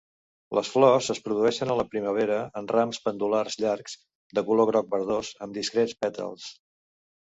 Les flors es produeixen a la primavera en rams pendulars llargs, de color groc verdós amb discrets pètals.